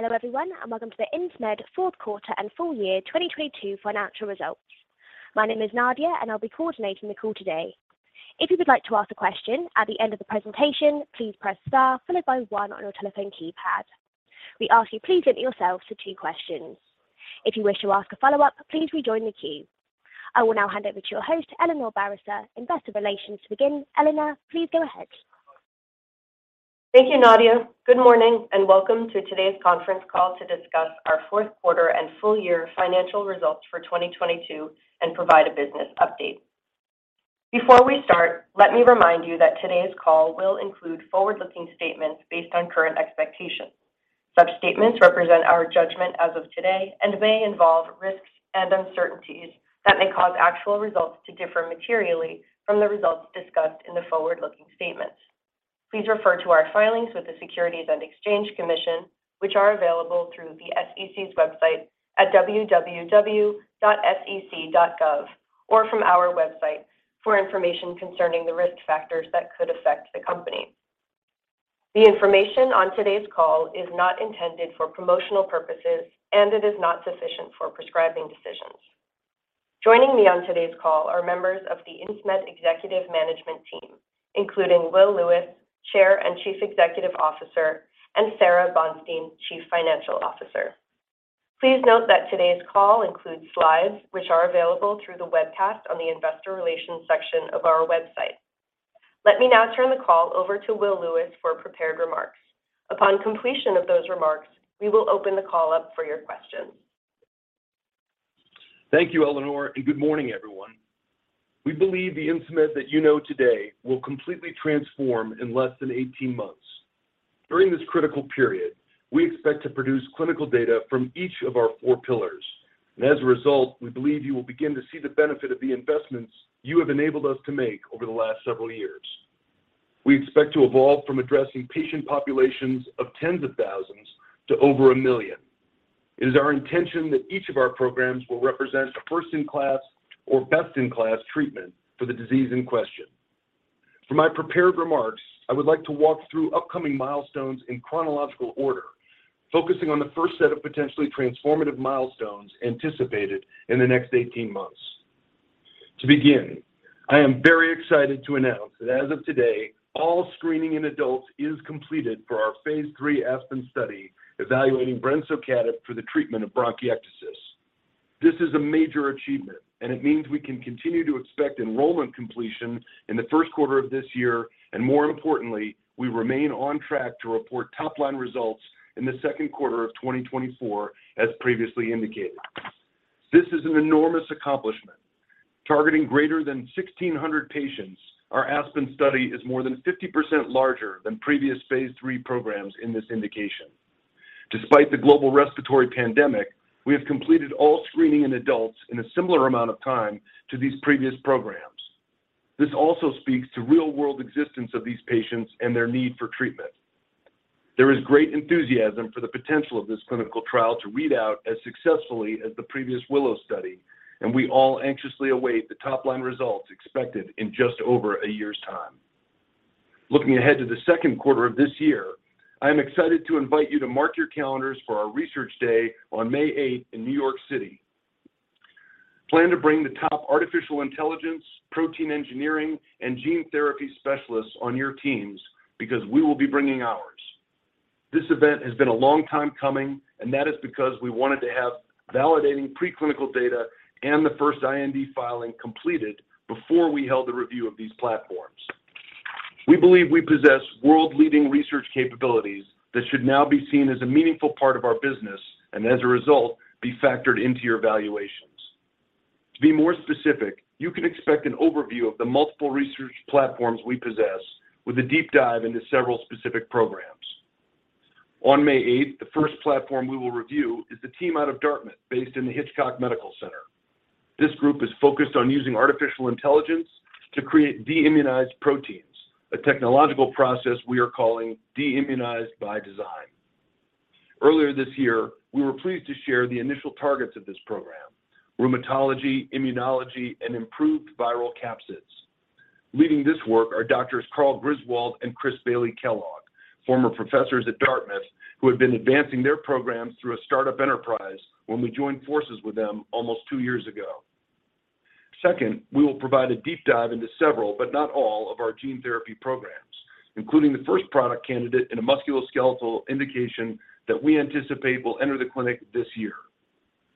Hello everyone, and welcome to the Insmed fourth quarter and full year 2022 financial results. My name is Nadia, and I'll be coordinating the call today. If you would like to ask a question at the end of the presentation, please press star followed by one on your telephone keypad. We ask you please limit yourselves to two questions. If you wish to ask a follow-up, please rejoin the queue. I will now hand over to your host, Eleanor Barisser, investor relations, to begin. Eleanor, please go ahead. Thank you, Nadia. Good morning, and welcome to today's conference call to discuss our fourth quarter and full year financial results for 2022 and provide a business update. Before we start, let me remind you that today's call will include forward-looking statements based on current expectations. Such statements represent our judgment as of today and may involve risks and uncertainties that may cause actual results to differ materially from the results discussed in the forward-looking statements. Please refer to our filings with the Securities and Exchange Commission, which are available through the SEC's website at www.sec.gov or from our website for information concerning the risk factors that could affect the company. The information on today's call is not intended for promotional purposes, and it is not sufficient for prescribing decisions. Joining me on today's call are members of the Insmed Executive Management Team, including Will Lewis, Chair and Chief Executive Officer, and Sara Bonstein, Chief Financial Officer. Please note that today's call includes slides which are available through the webcast on the Investor Relations section of our website. Let me now turn the call over to Will Lewis for prepared remarks. Upon completion of those remarks, we will open the call up for your questions. Thank you, Eleanor, and good morning, everyone. We believe the Insmed that you know today will completely transform in less than 18 months. During this critical period, we expect to produce clinical data from each of our four pillars. As a result, we believe you will begin to see the benefit of the investments you have enabled us to make over the last several years. We expect to evolve from addressing patient populations of tens of thousands to over one million. It is our intention that each of our programs will represent a first-in-class or best-in-class treatment for the disease in question. For my prepared remarks, I would like to walk through upcoming milestones in chronological order, focusing on the first set of potentially transformative milestones anticipated in the next 18 months. I am very excited to announce that as of today, all screening in adults is completed for our phase III ASPEN study evaluating brensocatib for the treatment of bronchiectasis. This is a major achievement, it means we can continue to expect enrollment completion in the first quarter of this year. More importantly, we remain on track to report top-line results in the second quarter of 2024, as previously indicated. This is an enormous accomplishment. Targeting greater than 1,600 patients, our ASPEN study is more than 50% larger than previous phase III programs in this indication. Despite the global respiratory pandemic, we have completed all screening in adults in a similar amount of time to these previous programs. This also speaks to real-world existence of these patients and their need for treatment. There is great enthusiasm for the potential of this clinical trial to read out as successfully as the previous WILLOW study. We all anxiously await the top-line results expected in just over a year's time. Looking ahead to the second quarter of this year, I am excited to invite you to mark your calendars for our R&D Day on May 8th in New York City. Plan to bring the top artificial intelligence, protein engineering, and gene therapy specialists on your teams because we will be bringing ours. This event has been a long time coming. That is because we wanted to have validating preclinical data and the first IND filing completed before we held the review of these platforms. We believe we possess world-leading research capabilities that should now be seen as a meaningful part of our business and as a result, be factored into your evaluations. To be more specific, you can expect an overview of the multiple research platforms we possess with a deep dive into several specific programs. On May 8th, the first platform we will review is the team out of Dartmouth based in the Hitchcock Medical Center. This group is focused on using artificial intelligence to create de-immunized proteins, a technological process we are calling de-immunized by design. Earlier this year, we were pleased to share the initial targets of this program: rheumatology, immunology, and improved viral capsids. Leading this work are doctors Karl Griswold and Chris Bailey-Kellogg, former professors at Dartmouth, who had been advancing their programs through a startup enterprise when we joined forces with them almost two years ago. Second, we will provide a deep dive into several, but not all of our gene therapy programs, including the first product candidate in a musculoskeletal indication that we anticipate will enter the clinic this year.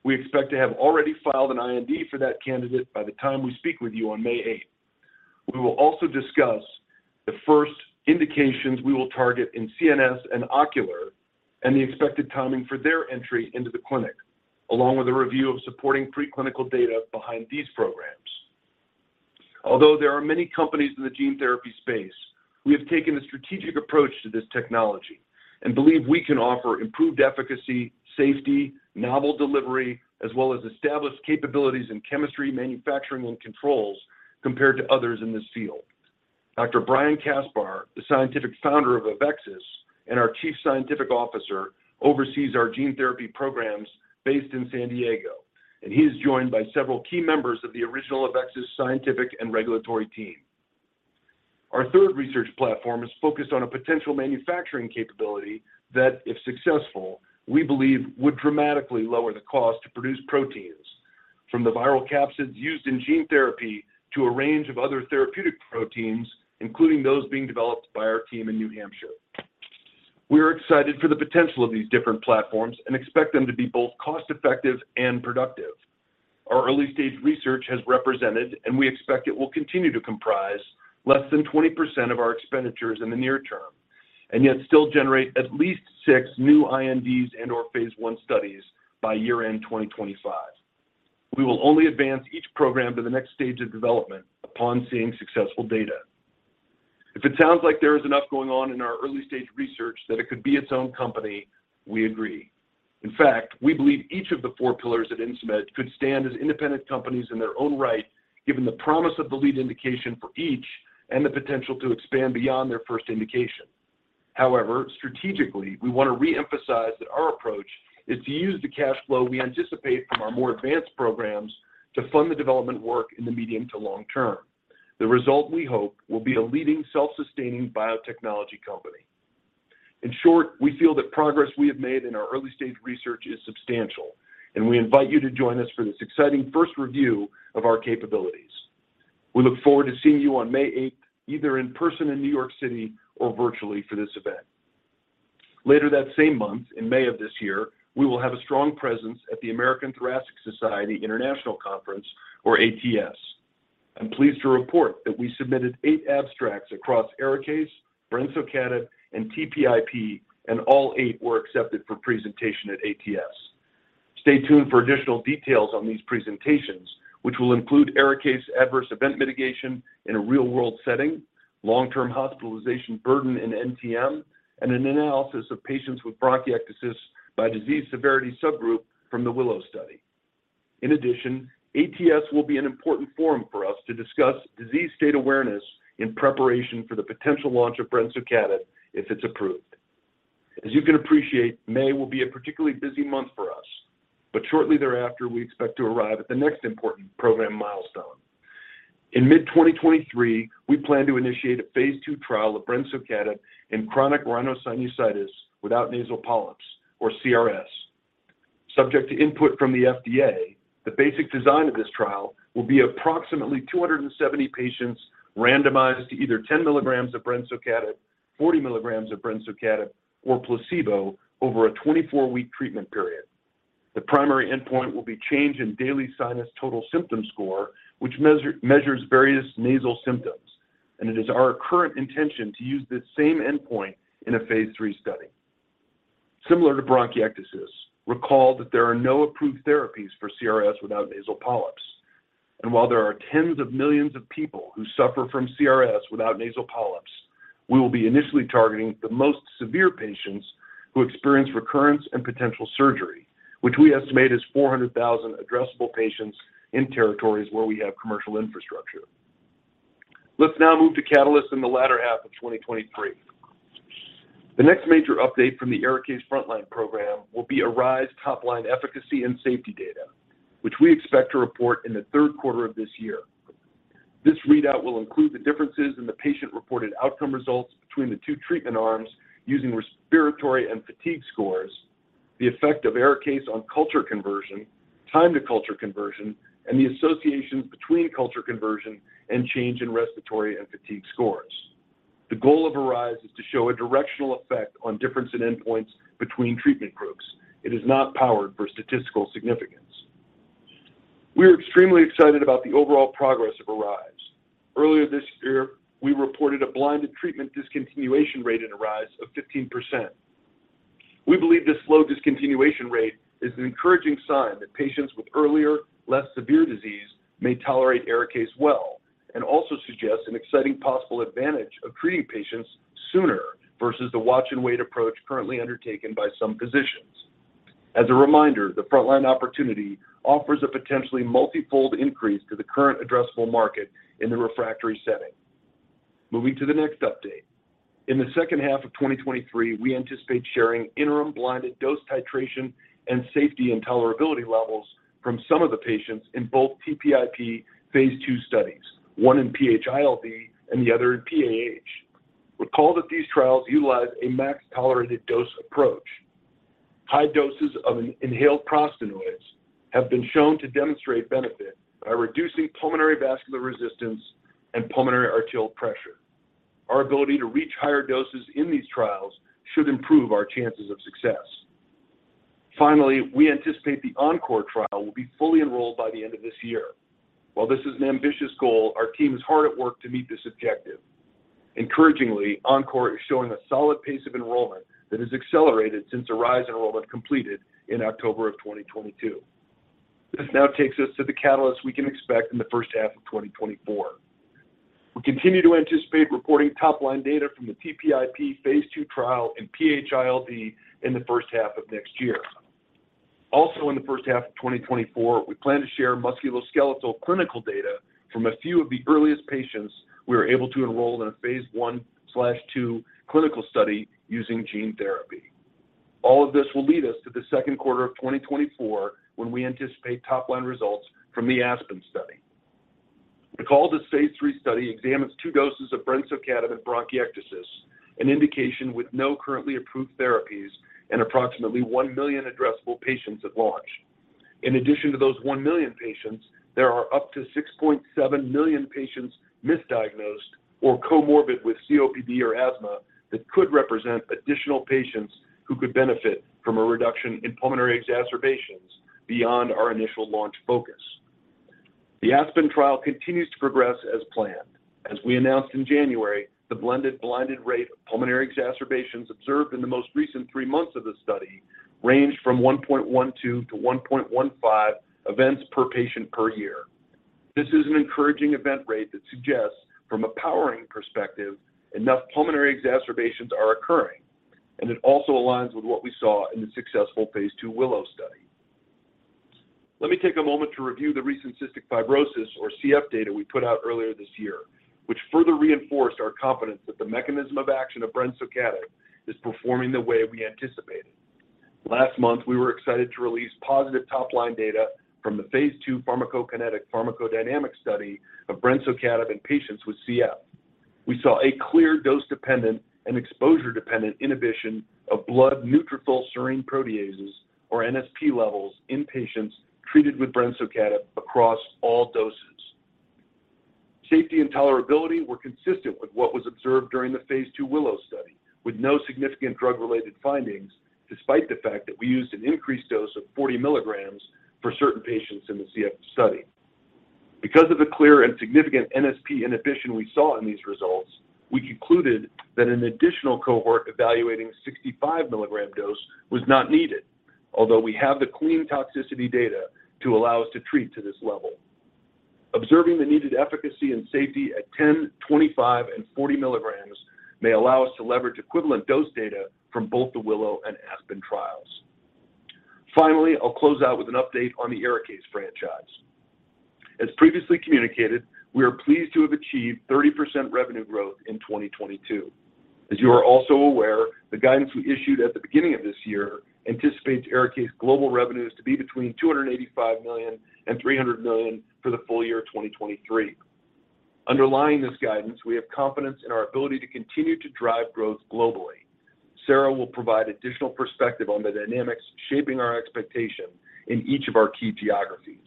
We expect to have already filed an IND for that candidate by the time we speak with you on May 8th. We will also discuss the first indications we will target in CNS and ocular and the expected timing for their entry into the clinic, along with a review of supporting preclinical data behind these programs. Although there are many companies in the gene therapy space, we have taken a strategic approach to this technology and believe we can offer improved efficacy, safety, novel delivery, as well as established capabilities in chemistry, manufacturing, and controls compared to others in this field. Dr. Brian Kaspar, the scientific founder of AveXis and our chief scientific officer, oversees our gene therapy programs based in San Diego, and he is joined by several key members of the original AveXis scientific and regulatory team. Our third research platform is focused on a potential manufacturing capability that, if successful, we believe would dramatically lower the cost to produce proteins from the viral capsids used in gene therapy to a range of other therapeutic proteins, including those being developed by our team in New Hampshire. We are excited for the potential of these different platforms and expect them to be both cost-effective and productive. Our early-stage research has represented, and we expect it will continue to comprise, less than 20% of our expenditures in the near term, and yet still generate at least six new INDs and/or phase I studies by year-end 2025. We will only advance each program to the next stage of development upon seeing successful data. If it sounds like there is enough going on in our early-stage research that it could be its own company, we agree. In fact, we believe each of the four pillars at Insmed could stand as independent companies in their own right, given the promise of the lead indication for each and the potential to expand beyond their first indication. However, strategically, we want to re-emphasize that our approach is to use the cash flow we anticipate from our more advanced programs to fund the development work in the medium to long term. The result, we hope, will be a leading self-sustaining biotechnology company. In short, we feel that progress we have made in our early-stage research is substantial, and we invite you to join us for this exciting first review of our capabilities. We look forward to seeing you on May 8th, either in person in New York City or virtually for this event. Later that same month, in May of this year, we will have a strong presence at the American Thoracic Society International Conference, or ATS. I'm pleased to report that we submitted eight abstracts across ARIKAYCE, brensocatib, and TPIP, and all eight were accepted for presentation at ATS. Stay tuned for additional details on these presentations, which will include ARIKAYCE adverse event mitigation in a real-world setting, long-term hospitalization burden in NTM, and an analysis of patients with bronchiectasis by disease severity subgroup from the WILLOW study. ATS will be an important forum for us to discuss disease state awareness in preparation for the potential launch of brensocatib if it's approved. As you can appreciate, May will be a particularly busy month for us, but shortly thereafter, we expect to arrive at the next important program milestone. In mid-2023, we plan to initiate a phase II trial of brensocatib in chronic rhinosinusitis without nasal polyps, or CRS. Subject to input from the FDA, the basic design of this trial will be approximately 270 patients randomized to either 10 mg of brensocatib, 40 mg of brensocatib, or placebo over a 24-week treatment period. The primary endpoint will be change in daily sinus total symptom score, which measures various nasal symptoms, and it is our current intention to use this same endpoint in a phase III study. Similar to bronchiectasis, recall that there are no approved therapies for CRS without nasal polyps. While there are tens of millions of people who suffer from CRS without nasal polyps, we will be initially targeting the most severe patients who experience recurrence and potential surgery, which we estimate is 400,000 addressable patients in territories where we have commercial infrastructure. Let's now move to catalysts in the latter half of 2023. The next major update from the ARIKAYCE frontline program will be ARISE top-line efficacy and safety data, which we expect to report in the third quarter of this year. This readout will include the differences in the patient-reported outcome results between the two treatment arms using respiratory and fatigue scores, the effect of ARIKAYCE on culture conversion, time to culture conversion, and the associations between culture conversion and change in respiratory and fatigue scores. The goal of ARISE is to show a directional effect on difference in endpoints between treatment groups. It is not powered for statistical significance. We are extremely excited about the overall progress of ARISE. Earlier this year, we reported a blinded treatment discontinuation rate in ARISE of 15%. We believe this low discontinuation rate is an encouraging sign that patients with earlier, less severe disease may tolerate ARIKAYCE well and also suggests an exciting possible advantage of treating patients sooner versus the watch-and-wait approach currently undertaken by some physicians. As a reminder, the frontline opportunity offers a potentially multi-fold increase to the current addressable market in the refractory setting. Moving to the next update. In the second half of 2023, we anticipate sharing interim blinded dose titration and safety and tolerability levels from some of the patients in both TPIP phase II studies, one in PH-ILD and the other in PAH. Recall that these trials utilize a max tolerated dose approach. High doses of an inhaled prostanoids have been shown to demonstrate benefit by reducing pulmonary vascular resistance and pulmonary arterial pressure. Our ability to reach higher doses in these trials should improve our chances of success. Finally, we anticipate the ENCORE trial will be fully enrolled by the end of this year. While this is an ambitious goal, our team is hard at work to meet this objective. Encouragingly, ENCORE is showing a solid pace of enrollment that has accelerated since ARISE enrollment completed in October of 2022. This now takes us to the catalysts we can expect in the first half of 2024. We continue to anticipate reporting top-line data from the TPIP phase II trial in PH-ILD in the first half of next year. In the first half of 2024, we plan to share musculoskeletal clinical data from a few of the earliest patients we were able to enroll in a phase I/II clinical study using gene therapy. All of this will lead us to the second quarter of 2024 when we anticipate top-line results from the ASPEN study. The call to phase III study examines two doses of brensocatib in bronchiectasis, an indication with no currently approved therapies and approximately one million addressable patients at launch. In addition to those 1 million patients, there are up to 6.7 million patients misdiagnosed or comorbid with COPD or asthma that could represent additional patients who could benefit from a reduction in pulmonary exacerbations beyond our initial launch focus. The ASPEN trial continues to progress as planned. As we announced in January, the blended blinded rate of pulmonary exacerbations observed in the most recent three months of the study ranged from 1.12-1.15 events per patient per year. This is an encouraging event rate that suggests from a powering perspective enough pulmonary exacerbations are occurring. It also aligns with what we saw in the successful phase II WILLOW study. Let me take a moment to review the recent cystic fibrosis or CF data we put out earlier this year, which further reinforced our confidence that the mechanism of action of brensocatib is performing the way we anticipated. Last month, we were excited to release positive top-line data from the phase II pharmacokinetic pharmacodynamic study of brensocatib in patients with CF. We saw a clear dose-dependent and exposure-dependent inhibition of blood neutrophil serine proteases or NSP levels in patients treated with brensocatib across all doses. Safety and tolerability were consistent with what was observed during the phase II WILLOW study, with no significant drug-related findings despite the fact that we used an increased dose of 40 mg for certain patients in the CF study. Because of the clear and significant NSP inhibition we saw in these results, we concluded that an additional cohort evaluating 65 milligram dose was not needed, although we have the clean toxicity data to allow us to treat to this level. Observing the needed efficacy and safety at 10, 25, and 40 mg may allow us to leverage equivalent dose data from both the WILLOW and ASPEN trials. I'll close out with an update on the ARIKAYCE franchise. As previously communicated, we are pleased to have achieved 30% revenue growth in 2022. As you are also aware, the guidance we issued at the beginning of this year anticipates ARIKAYCE global revenues to be between $285 million and $300 million for the full year of 2023. Underlying this guidance, we have confidence in our ability to continue to drive growth globally. Sara will provide additional perspective on the dynamics shaping our expectation in each of our key geographies.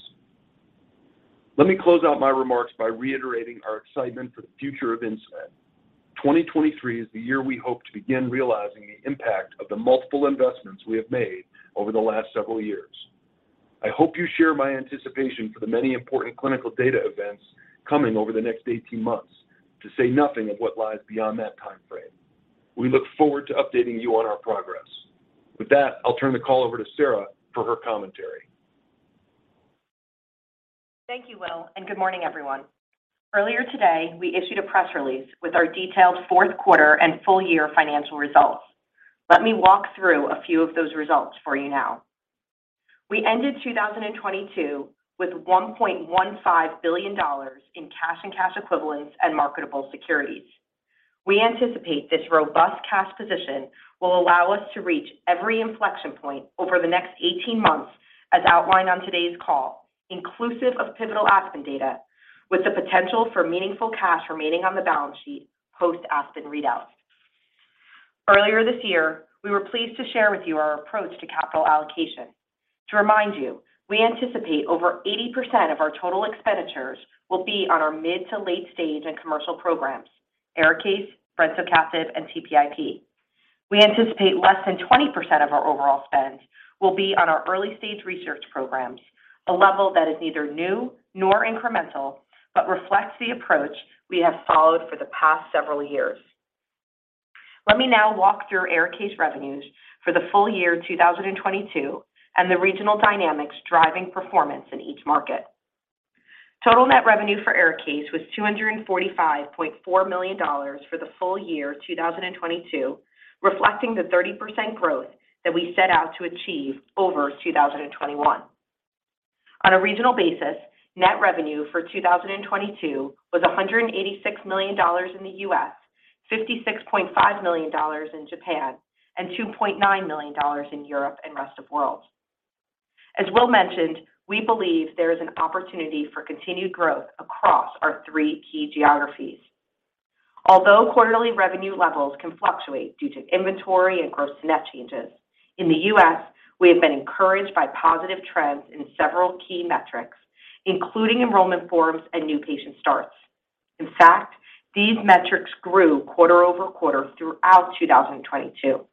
Let me close out my remarks by reiterating our excitement for the future of Insmed. 2023 is the year we hope to begin realizing the impact of the multiple investments we have made over the last several years. I hope you share my anticipation for the many important clinical data events coming over the next 18 months to say nothing of what lies beyond that timeframe. We look forward to updating you on our progress. With that, I'll turn the call over to Sara for her commentary. Thank you, Will, and good morning, everyone. Earlier today, we issued a press release with our detailed fourth quarter and full year financial results. Let me walk through a few of those results for you now. We ended 2022 with $1.15 billion in cash and cash equivalents and marketable securities. We anticipate this robust cash position will allow us to reach every inflection point over the next 18 months as outlined on today's call, inclusive of pivotal ASPEN data, with the potential for meaningful cash remaining on the balance sheet post-ASPEN readouts. Earlier this year, we were pleased to share with you our approach to capital allocation. To remind you, we anticipate over 80% of our total expenditures will be on our mid to late stage and commercial programs, ARIKAYCE, brensocatib, and TPIP. We anticipate less than 20% of our overall spend will be on our early-stage research programs, a level that is neither new nor incremental but reflects the approach we have followed for the past several years. Let me now walk through ARIKAYCE revenues for the full year 2022 and the regional dynamics driving performance in each market. Total net revenue for ARIKAYCE was $245.4 million for the full year 2022, reflecting the 30% growth that we set out to achieve over 2021. On a regional basis, net revenue for 2022 was $186 million in the U.S., $56.5 million in Japan, and $2.9 million in Europe and rest of world. As Will mentioned, we believe there is an opportunity for continued growth across our three key geographies. Although quarterly revenue levels can fluctuate due to inventory and gross to nets changes, in the U.S., we have been encouraged by positive trends in several key metrics, including enrollment forms and new patient starts. In fact, these metrics grew quarter-over-quarter throughout 2022.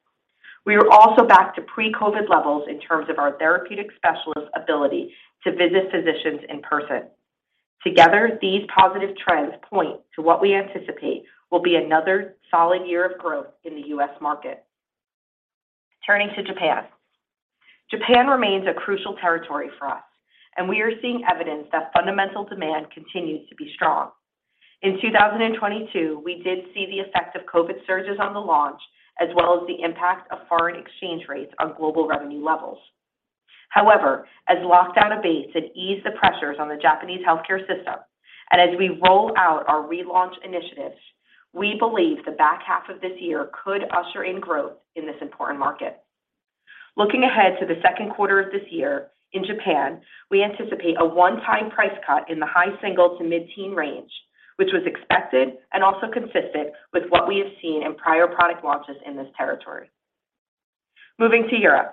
We are also back to pre-COVID levels in terms of our therapeutic specialist ability to visit physicians in person. Together, these positive trends point to what we anticipate will be another solid year of growth in the U.S. market. Turning to Japan. Japan remains a crucial territory for us. We are seeing evidence that fundamental demand continues to be strong. In 2022, we did see the effect of COVID surges on the launch, as well as the impact of foreign exchange rates on global revenue levels. However, as lockdowns abates and ease the pressures on the Japanese healthcare system, and as we roll out our relaunch initiatives, we believe the back half of this year could usher in growth in this important market. Looking ahead to the second quarter of this year, in Japan, we anticipate a one-time price cut in the high single to mid-teen range, which was expected and also consistent with what we have seen in prior product launches in this territory. Moving to Europe.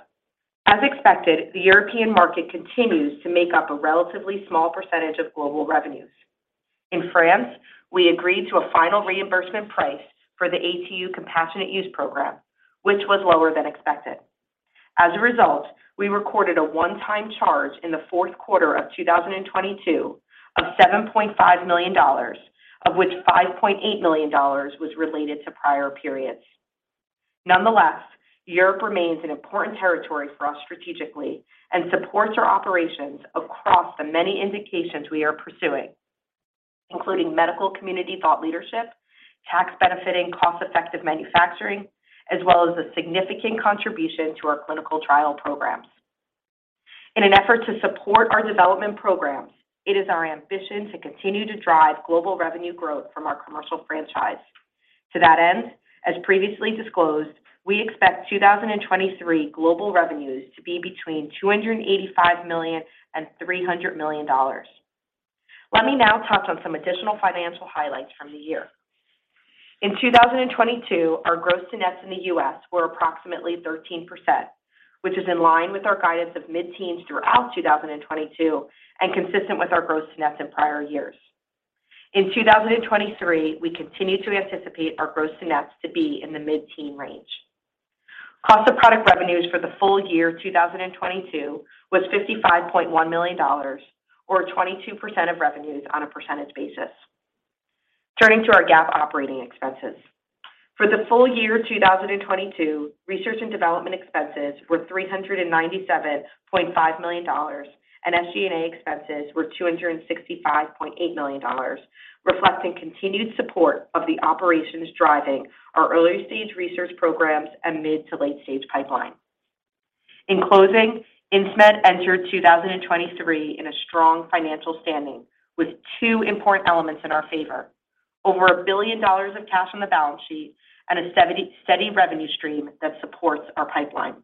As expected, the European market continues to make up a relatively small % of global revenues. In France, we agreed to a final reimbursement price for the ATU compassionate use program, which was lower than expected. As a result, we recorded a one-time charge in the fourth quarter of 2022 of $7.5 million, of which $5.8 million was related to prior periods. Nonetheless, Europe remains an important territory for us strategically and supports our operations across the many indications we are pursuing, including medical community thought leadership, tax benefiting cost-effective manufacturing, as well as a significant contribution to our clinical trial programs. In an effort to support our development programs, it is our ambition to continue to drive global revenue growth from our commercial franchise. To that end, as previously disclosed, we expect 2023 global revenues to be between $285 million and $300 million. Let me now touch on some additional financial highlights from the year. In 2022, our gross to nets in the US were approximately 13%, which is in line with our guidance of mid-teens throughout 2022 and consistent with our gross to nets in prior years. In 2023, we continue to anticipate our gross to nets to be in the mid-teen range. Cost of product revenues for the full year 2022 was $55.1 million or 22% of revenues on a percentage basis. Turning to our GAAP operating expenses. For the full year 2022, research and development expenses were $397.5 million, and SG&A expenses were $265.8 million, reflecting continued support of the operations driving our early-stage research programs and mid to late-stage pipeline. In closing, Insmed entered 2023 in a strong financial standing with two important elements in our favor: over $1 billion of cash on the balance sheet and a steady revenue stream that supports our pipeline.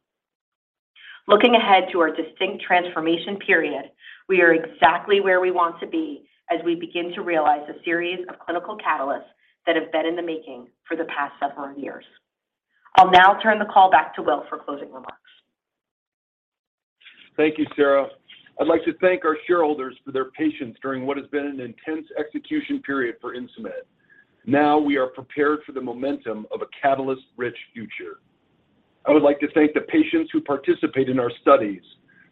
Looking ahead to our distinct transformation period, we are exactly where we want to be as we begin to realize a series of clinical catalysts that have been in the making for the past several years. I'll now turn the call back to Will for closing remarks. Thank you, Sara. I'd like to thank our shareholders for their patience during what has been an intense execution period for Insmed. We are prepared for the momentum of a catalyst-rich future. I would like to thank the patients who participate in our studies,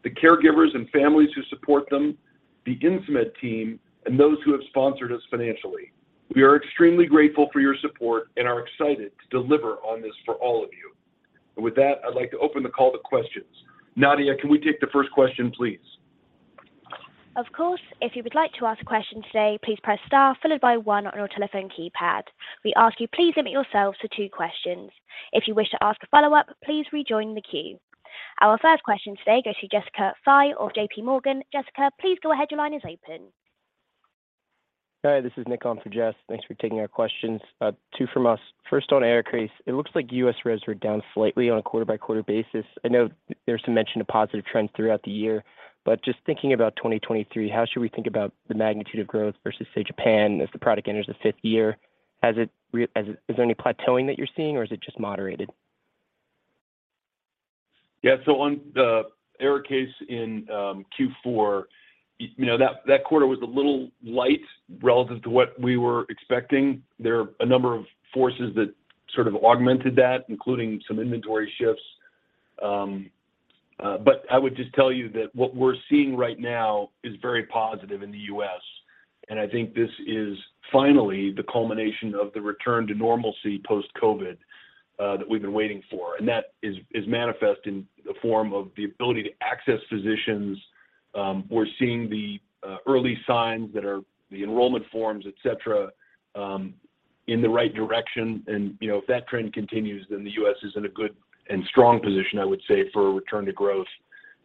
the caregivers and families who support them, the Insmed team, and those who have sponsored us financially. We are extremely grateful for your support and are excited to deliver on this for all of you. With that, I'd like to open the call to questions. Nadia, can we take the first question, please? Of course. If you would like to ask a question today, please press star followed by one on your telephone keypad. We ask you please limit yourselves to two questions. If you wish to ask a follow-up, please rejoin the queue. Our first question today goes to Jessica Fye of JPMorgan. Jessica, please go ahead. Your line is open. Hi, this is Nick on for Jess. Thanks for taking our questions. Two from us. First on ARIKAYCE, it looks like U.S. res were down slightly on a quarter-by-quarter basis. I know there's some mention of positive trends throughout the year, but just thinking about 2023, how should we think about the magnitude of growth versus, say, Japan as the product enters the fifth year? Has it Is there any plateauing that you're seeing or is it just moderated? Yeah. On the ARIKAYCE in Q4, you know, that quarter was a little light relative to what we were expecting. There are a number of forces that sort of augmented that, including some inventory shifts. I would just tell you that what we're seeing right now is very positive in the US, and I think this is finally the culmination of the return to normalcy post-COVID that we've been waiting for. That is manifest in the form of the ability to access physicians. We're seeing the early signs that are the enrollment forms, et cetera, in the right direction. You know, if that trend continues, then the US is in a good and strong position, I would say, for a return to growth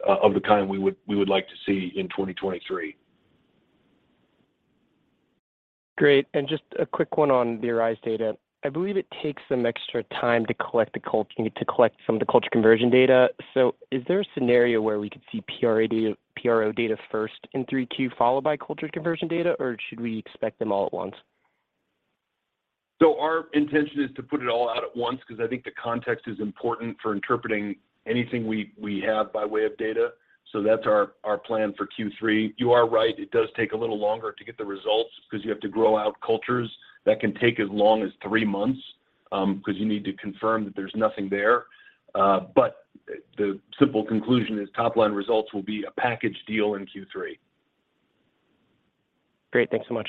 of the kind we would like to see in 2023. Great. Just a quick one on the ARISE data. I believe it takes some extra time to collect some of the culture conversion data. Is there a scenario where we could see PRO data first in 3Q, followed by culture conversion data, or should we expect them all at once? Our intention is to put it all out at once because I think the context is important for interpreting anything we have by way of data. That's our plan for Q3. You are right, it does take a little longer to get the results because you have to grow out cultures that can take as long as three months, because you need to confirm that there's nothing there. The simple conclusion is top-line results will be a package deal in Q3. Great. Thanks so much.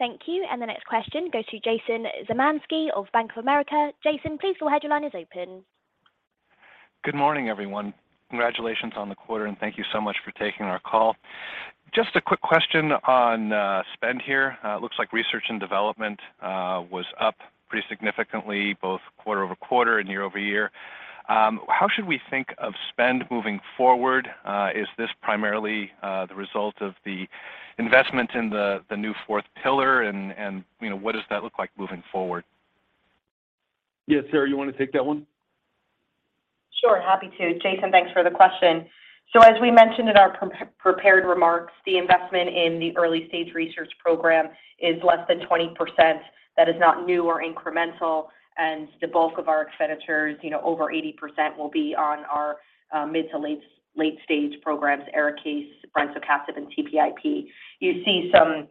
Thank you. The next question goes to Jason Zemansky of Bank of America. Jason, please go ahead. Your line is open. Good morning, everyone. Congratulations on the quarter, and thank you so much for taking our call. Just a quick question on spend here. It looks like research and development was up pretty significantly, both quarter-over-quarter and year-over-year. How should we think of spend moving forward? Is this primarily the result of the investment in the new fourth pillar and, you know, what does that look like moving forward? Yeah. Sara, you wanna take that one? Happy to. Jason, thanks for the question. As we mentioned in our pre-prepared remarks, the investment in the early-stage research program is less than 20%. That is not new or incremental, and the bulk of our expenditures, you know, over 80% will be on our mid to late stage programs, ARIKAYCE, brensocatib and TPIP. You see some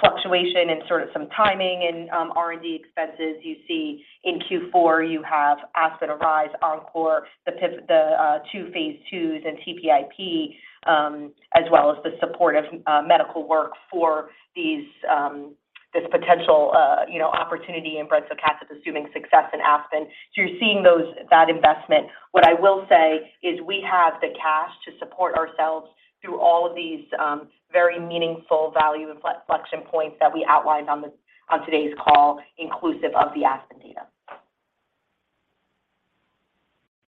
fluctuation and sort of some timing in R&D expenses. You see in Q4, you have ASPEN, ARISE, ENCORE, the two phase IIs and TPIP, as well as the support of medical work for these, this potential, you know, opportunity in brensocatib, assuming success in ASPEN. You're seeing that investment. What I will say is we have the cash to support ourselves through all of these, very meaningful value inflection points that we outlined on today's call, inclusive of the ASPEN data.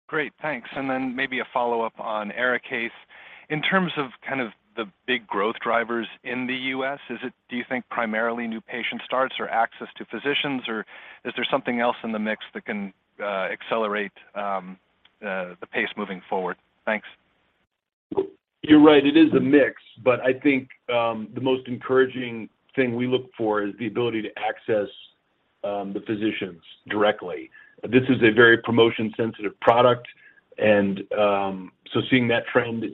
Great. Thanks. Then maybe a follow-up on ARIKAYCE. In terms of kind of the big growth drivers in the U.S., do you think primarily new patient starts or access to physicians, or is there something else in the mix that can accelerate the pace moving forward? Thanks. You're right. It is a mix, but I think, the most encouraging thing we look for is the ability to access the physicians directly. This is a very promotion-sensitive product and, so seeing that trend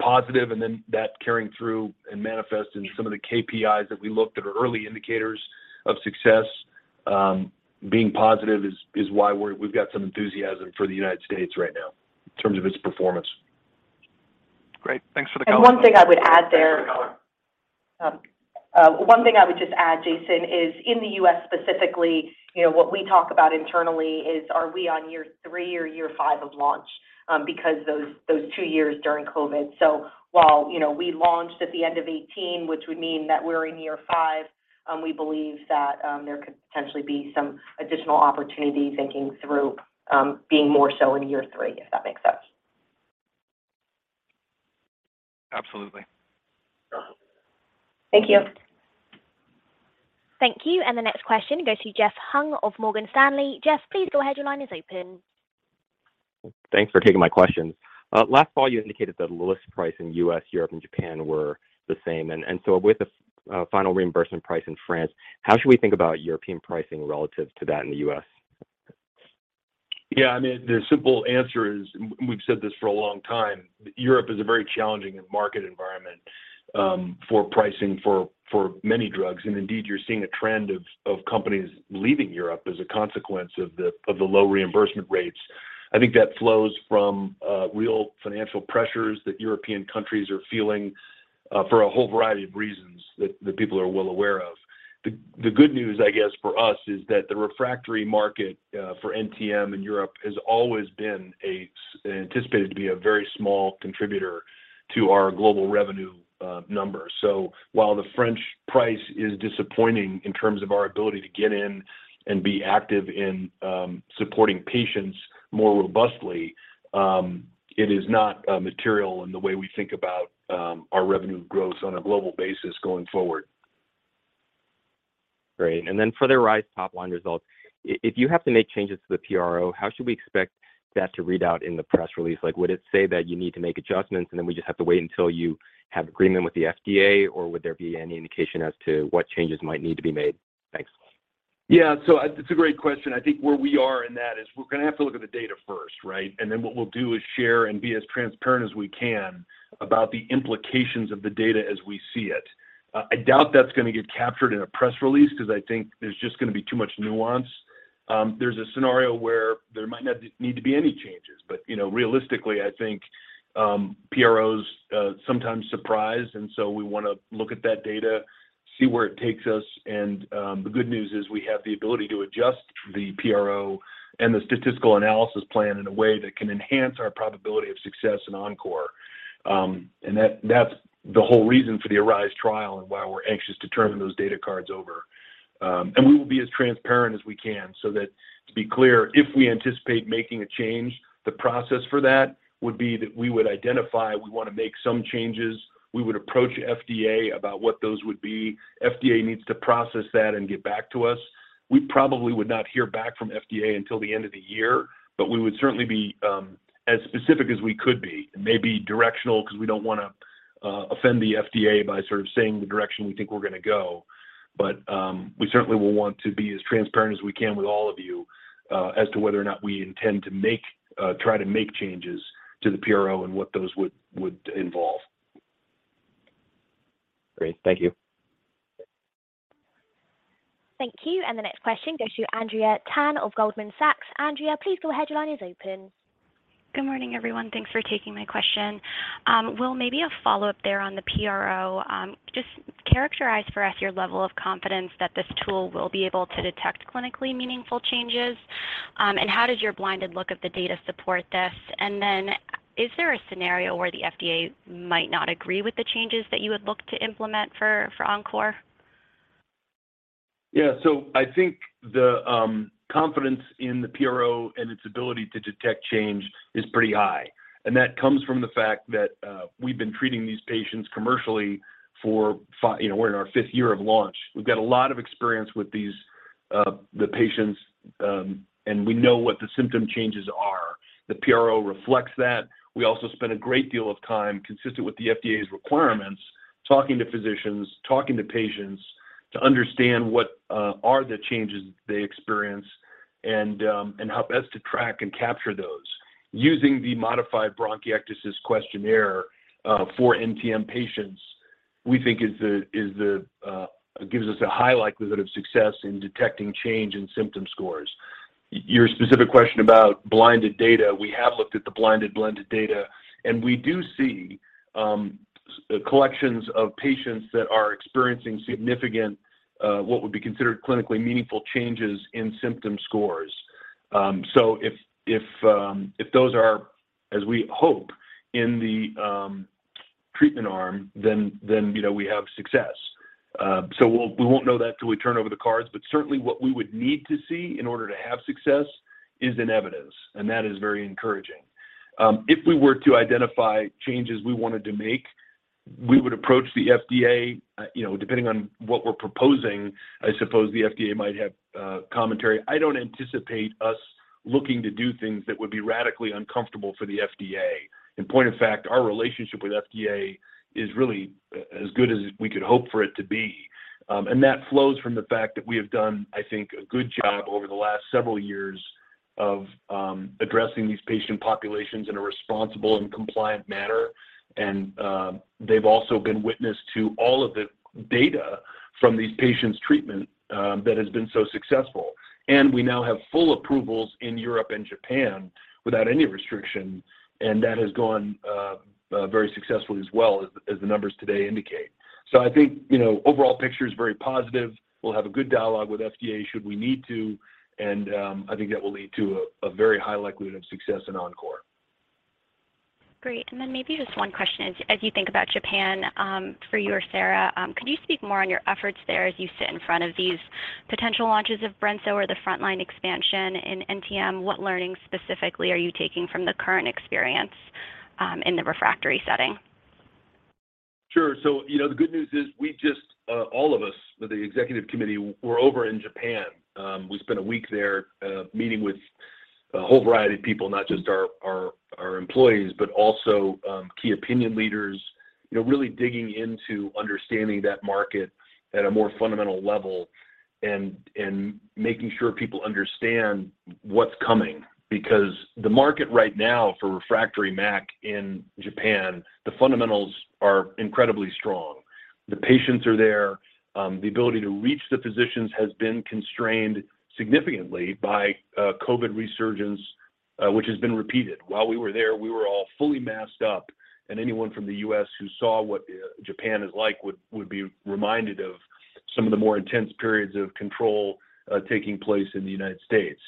positive and then that carrying through and manifest in some of the KPIs that we looked at are early indicators of success, being positive is why we've got some enthusiasm for the United States right now in terms of its performance. Great. Thanks for the color. One thing I would add there. Thanks for the color. One thing I would just add, Jason, is in the U.S. specifically, you know, what we talk about internally is are we on year three or year five of launch? Because those two years during COVID. While, you know, we launched at the end of 2018, which would mean that we're in year five, we believe that there could potentially be some additional opportunity thinking through being more so in year three, if that makes sense. Absolutely. Thank you. Thank you. The next question goes to Jeff Hung of Morgan Stanley. Jeff, please go ahead. Your line is open. Thanks for taking my questions. Last fall, you indicated the list price in U.S., Europe, and Japan were the same. With the final reimbursement price in France, how should we think about European pricing relative to that in the U.S.? Yeah, I mean, the simple answer is, and we've said this for a long time, Europe is a very challenging market environment, for pricing for many drugs. Indeed, you're seeing a trend of companies leaving Europe as a consequence of the low reimbursement rates. I think that flows from real financial pressures that European countries are feeling for a whole variety of reasons that people are well aware of. The good news, I guess, for us is that the refractory market for NTM in Europe has always been anticipated to be a very small contributor to our global revenue number. While the French price is disappointing in terms of our ability to get in and be active in, supporting patients more robustly, it is not material in the way we think about our revenue growth on a global basis going forward. Great. Then for the ARISE top line results, if you have to make changes to the PRO, how should we expect that to read out in the press release? Like, would it say that you need to make adjustments, and then we just have to wait until you have agreement with the FDA? Or would there be any indication as to what changes might need to be made? Thanks. Yeah. It's a great question. I think where we are in that is we're gonna have to look at the data first, right? What we'll do is share and be as transparent as we can about the implications of the data as we see it. I doubt that's gonna get captured in a press release because I think there's just gonna be too much nuance. There's a scenario where there might not need to be any changes. You know, realistically, I think, PROs sometimes surprise, we wanna look at that data, see where it takes us. The good news is we have the ability to adjust the PRO and the statistical analysis plan in a way that can enhance our probability of success in ENCORE. That's the whole reason for the ARISE trial and why we're anxious to turn those data cards over. We will be as transparent as we can so that to be clear, if we anticipate making a change, the process for that would be that we would identify we wanna make some changes. We would approach FDA about what those would be. FDA needs to process that and get back to us. We probably would not hear back from FDA until the end of the year, but we would certainly be as specific as we could be. It may be directional because we don't wanna offend the FDA by sort of saying the direction we think we're gonna go. We certainly will want to be as transparent as we can with all of you as to whether or not we intend to try to make changes to the PRO and what those would involve. Great. Thank you. Thank you. The next question goes to Andrea Tan of Goldman Sachs. Andrea, please go ahead. Your line is open. Good morning, everyone. Thanks for taking my question. Will, maybe a follow-up there on the PRO. Just characterize for us your level of confidence that this tool will be able to detect clinically meaningful changes? How does your blinded look of the data support this? Is there a scenario where the FDA might not agree with the changes that you would look to implement for ENCORE? Yeah. I think the confidence in the PRO and its ability to detect change is pretty high. That comes from the fact that we've been treating these patients commercially for you know, we're in our fifth year of launch. We've got a lot of experience with these patients, and we know what the symptom changes are. The PRO reflects that. We also spend a great deal of time consistent with the FDA's requirements, talking to physicians, talking to patients to understand what are the changes they experience and how best to track and capture those. Using the modified bronchiectasis questionnaire for NTM patients, we think is the gives us a high likelihood of success in detecting change in symptom scores. Your specific question about blinded data, we have looked at the blinded blended data, and we do see collections of patients that are experiencing significant, what would be considered clinically meaningful changes in symptom scores. If those are, as we hope in the treatment arm, then, you know, we have success. We won't know that till we turn over the cards, but certainly what we would need to see in order to have success is in evidence, and that is very encouraging. If we were to identify changes we wanted to make, we would approach the FDA. You know, depending on what we're proposing, I suppose the FDA might have commentary. I don't anticipate us looking to do things that would be radically uncomfortable for the FDA. In point of fact, our relationship with FDA is really as good as we could hope for it to be. That flows from the fact that we have done, I think, a good job over the last several years of addressing these patient populations in a responsible and compliant manner. They've also been witness to all of the data from these patients' treatment that has been so successful. We now have full approvals in Europe and Japan without any restriction. That has gone very successfully as well as the numbers today indicate. I think, you know, overall picture is very positive. We'll have a good dialogue with FDA should we need to, and I think that will lead to a very high likelihood of success in ENCORE. Great. Then maybe just one question as you think about Japan, for you or Sara, could you speak more on your efforts there as you sit in front of these potential launches of brensocatib or the frontline expansion in NTM? What learnings specifically are you taking from the current experience, in the refractory setting? Sure. You know, the good news is we just, all of us, the executive committee, were over in Japan. We spent a week there, meeting with a whole variety of people, not just our employees, but also, key opinion leaders, you know, really digging into understanding that market at a more fundamental level and making sure people understand what's coming. The market right now for refractory MAC in Japan, the fundamentals are incredibly strong. The patients are there. The ability to reach the physicians has been constrained significantly by COVID resurgence, which has been repeated. While we were there, we were all fully masked up, and anyone from the U.S. who saw what Japan is like, would be reminded of some of the more intense periods of control taking place in the United States.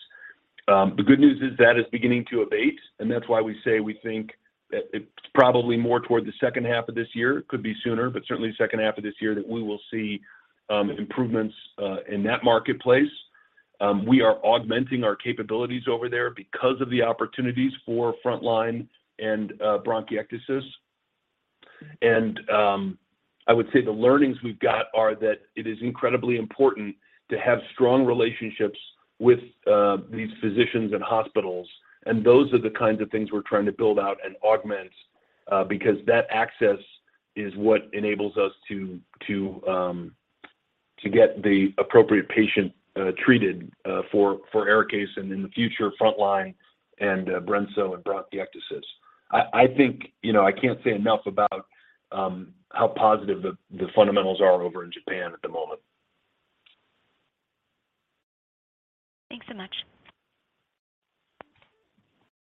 The good news is that is beginning to abate, and that's why we say we think that it's probably more toward the second half of this year, could be sooner, but certainly second half of this year, that we will see improvements in that marketplace. We are augmenting our capabilities over there because of the opportunities for frontline and bronchiectasis. I would say the learnings we've got are that it is incredibly important to have strong relationships with these physicians and hospitals, and those are the kinds of things we're trying to build out and augment because that access is what enables us to get the appropriate patient treated for ARIKAYCE and in the future frontline and brensocatib in bronchiectasis. I think, you know, I can't say enough about how positive the fundamentals are over in Japan at the moment. Thanks so much.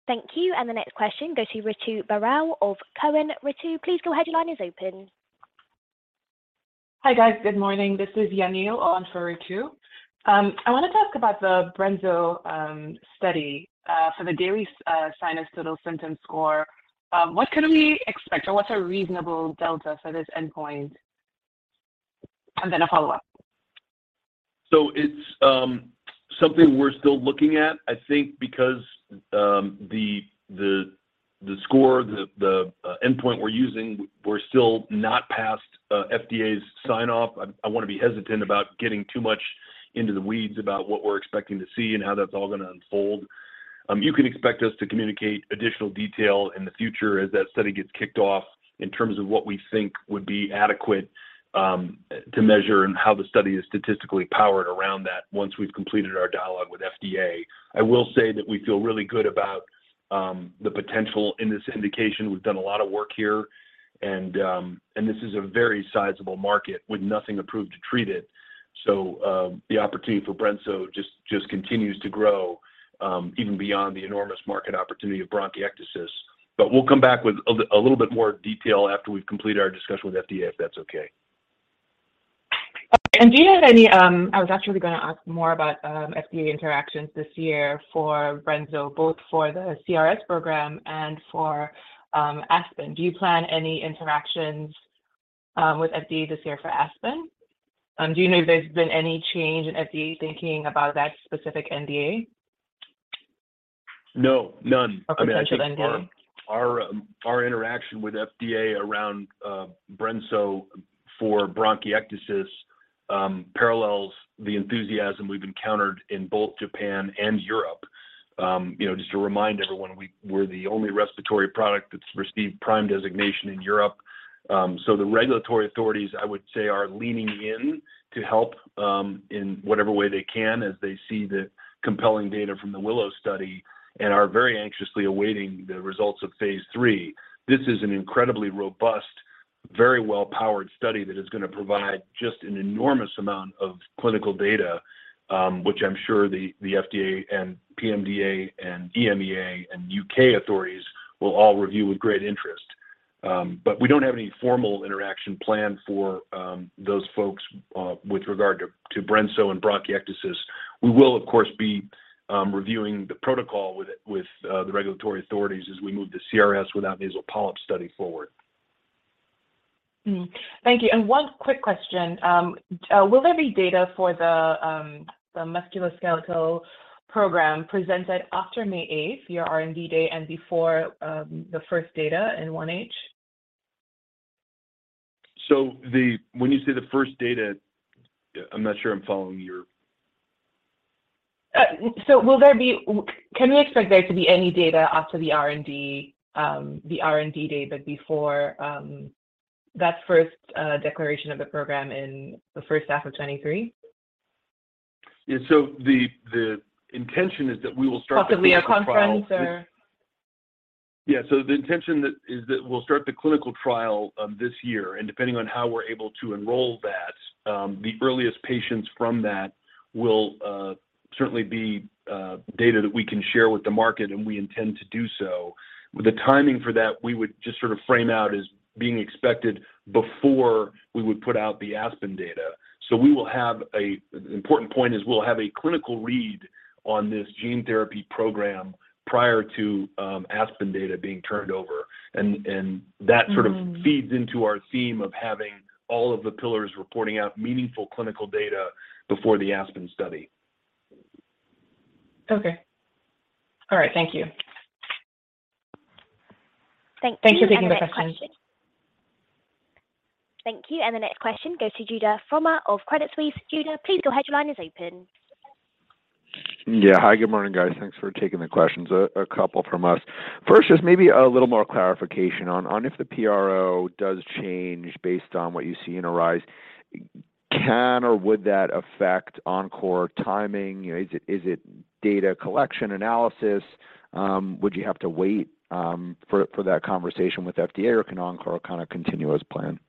Thank you. The next question goes to Ritu Baral of Cowen. Ritu, please go ahead. Your line is open. Hi, guys. Good morning. This is Yanil on for Ritu. I wanna talk about the brensocatib study for the daily sinus total symptom score. What can we expect or what's a reasonable delta for this endpoint? Then a follow-up. It's something we're still looking at. I think because the score, the endpoint we're using, we're still not past FDA's sign-off. I wanna be hesitant about getting too much into the weeds about what we're expecting to see and how that's all gonna unfold. You can expect us to communicate additional detail in the future as that study gets kicked off in terms of what we think would be adequate to measure and how the study is statistically powered around that once we've completed our dialogue with FDA. I will say that we feel really good about the potential in this indication. We've done a lot of work here and this is a very sizable market with nothing approved to treat it. The opportunity for brensocatib just continues to grow, even beyond the enormous market opportunity of bronchiectasis. We'll come back with a little bit more detail after we've completed our discussion with FDA, if that's okay. Do you have any, I was actually going to ask more about FDA interactions this year for brensocatib, both for the CRS program and for ASPEN. Do you plan any interactions with FDA this year for ASPEN? Do you know if there's been any change in FDA thinking about that specific NDA? No, none. Potential NDA. I mean, I think our interaction with FDA around brensocatib for bronchiectasis parallels the enthusiasm we've encountered in both Japan and Europe. You know, just to remind everyone, we're the only respiratory product that's received PRIME designation in Europe. The regulatory authorities, I would say, are leaning in to help in whatever way they can as they see the compelling data from the WILLOW study and are very anxiously awaiting the results of phase III. This is an incredibly robust, very well powered study that is going to provide just an enormous amount of clinical data, which I'm sure the FDA and PMDA and EMEA and U.K. authorities will all review with great interest. We don't have any formal interaction planned for those folks with regard to brensocatib and bronchiectasis. We will of course be reviewing the protocol with the regulatory authorities as we move the CRS without nasal polyp study forward. Thank you. One quick question. Will there be data for the musculoskeletal program presented after May 8th, your R&D date and before the first data in 1H? When you say the first data, I'm not sure I'm following your... Can we expect there to be any data after the R&D, the R&D date, but before, that first, declaration of the program in the first half of 23? Yeah. The intention is that we will start the clinical trial. Possibly a conference or? Yeah. The intention is that we'll start the clinical trial this year, and depending on how we're able to enroll that, the earliest patients from that will certainly be data that we can share with the market, and we intend to do so. The timing for that, we would just sort of frame out as being expected before we would put out the ASPEN data. The important point is we'll have a clinical read on this gene therapy program prior to ASPEN data being turned over, and that sort of- Mm-hmm... feeds into our theme of having all of the pillars reporting out meaningful clinical data before the ASPEN study. Okay. All right. Thank you. Thank you. Thanks for taking the question. The next question. Thank you. The next question goes to Judah Frommer of Credit Suisse. Judah, please your headline is open. Hi. Good morning, guys. Thanks for taking the questions. A couple from us. First, just maybe a little more clarification on if the PRO does change based on what you see in ARISE, can or would that affect ENCORE timing? You know, is it data collection analysis? Would you have to wait for that conversation with FDA or can ENCORE kind of continue as planned?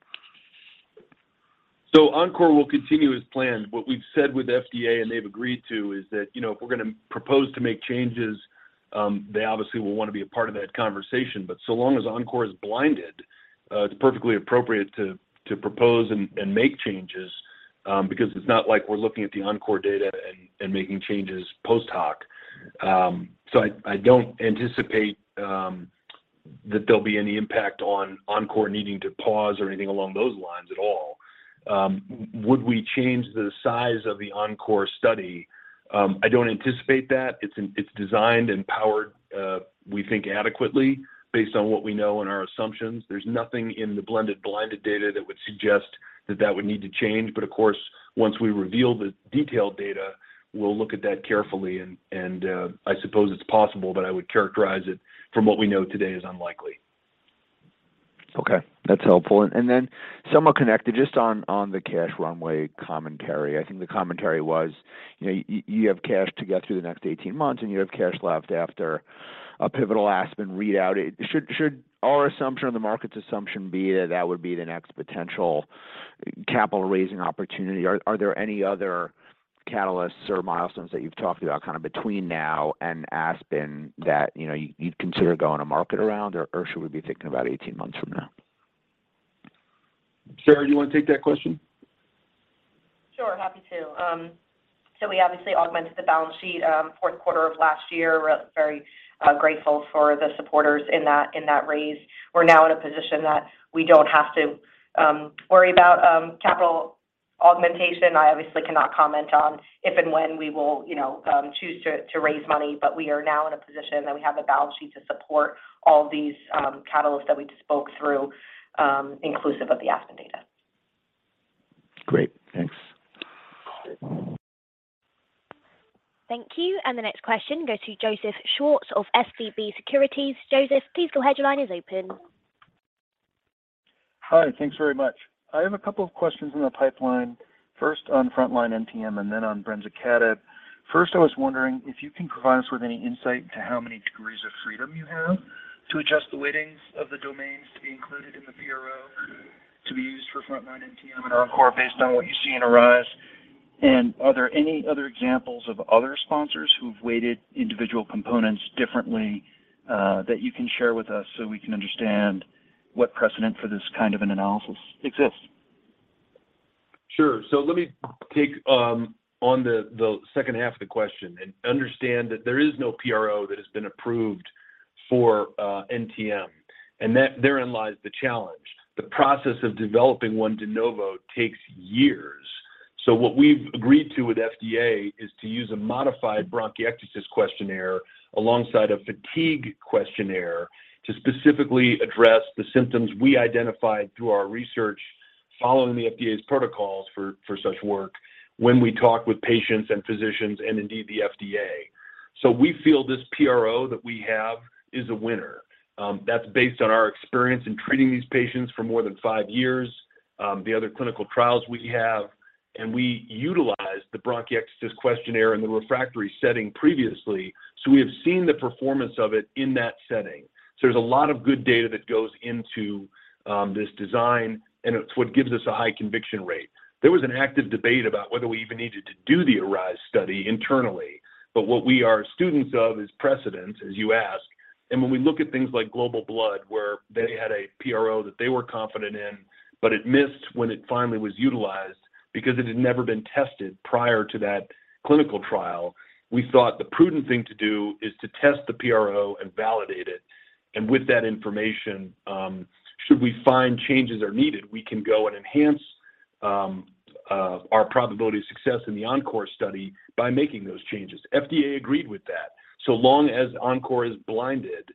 ENCORE will continue as planned. What we've said with FDA and they've agreed to is that, you know, if we're gonna propose to make changes, they obviously will wanna be a part of that conversation. So long as ENCORE is blinded, it's perfectly appropriate to propose and make changes, because it's not like we're looking at the ENCORE data and making changes post-hoc. I don't anticipate that there'll be any impact on ENCORE needing to pause or anything along those lines at all. Would we change the size of the ENCORE study? I don't anticipate that. It's designed and powered, we think adequately based on what we know and our assumptions. There's nothing in the blended blinded data that would suggest that that would need to change. Of course, once we reveal the detailed data, we'll look at that carefully and I suppose it's possible, but I would characterize it from what we know today is unlikely. Okay. That's helpful. Then somewhat connected, just on the cash runway commentary. I think the commentary was, you know, you have cash to get through the next 18 months, and you have cash left after a pivotal ASPEN readout. Should our assumption or the market's assumption be that that would be the next potential capital raising opportunity? Are there any other catalysts or milestones that you've talked about kinda between now and ASPEN that, you know, you'd consider going to market around, or should we be thinking about 18 months from now? Sara, you wanna take that question? Sure. Happy to. We obviously augmented the balance sheet, fourth quarter of last year. We're very grateful for the supporters in that, in that raise. We're now in a position that we don't have to worry about capital augmentation. I obviously cannot comment on if and when we will, you know, choose to raise money. We are now in a position that we have the balance sheet to support all these catalysts that we just spoke through, inclusive of the ASPEN data. Great. Thanks. Thank you. The next question goes to Joseph Schwartz of SVB Securities. Joseph, please go ahead. Your line is open. Hi. Thanks very much. I have a couple of questions in the pipeline, first on frontline NTM and then on brensocatib. First, I was wondering if you can provide us with any insight to how many degrees of freedom you have to adjust the weightings of the domains to be included in the PRO to be used for frontline NTM and ENCORE based on what you see in ARISE. Are there any other examples of other sponsors who've weighted individual components differently, that you can share with us so we can understand what precedent for this kind of an analysis exists? Sure. Let me take on the second half of the question and understand that there is no PRO that has been approved for NTM, and that therein lies the challenge. The process of developing one de novo takes years. What we've agreed to with FDA is to use a modified bronchiectasis questionnaire alongside a fatigue questionnaire to specifically address the symptoms we identified through our research following the FDA's protocols for such work when we talk with patients and physicians and indeed the FDA. We feel this PRO that we have is a winner. That's based on our experience in treating these patients for more than five years, the other clinical trials we have, and we utilized the bronchiectasis questionnaire in the refractory setting previously. We have seen the performance of it in that setting. There's a lot of good data that goes into this design, and it's what gives us a high conviction rate. There was an active debate about whether we even needed to do the ARISE study internally. What we are students of is precedents, as you ask, and when we look at things like Global Blood, where they had a PRO that they were confident in, but it missed when it finally was utilized because it had never been tested prior to that clinical trial. We thought the prudent thing to do is to test the PRO and validate it. With that information, should we find changes are needed, we can go and enhance our probability of success in the ENCORE study by making those changes. FDA agreed with that. Long as ENCORE is blinded,